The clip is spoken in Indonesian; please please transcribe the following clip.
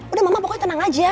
udah mama pokoknya tenang aja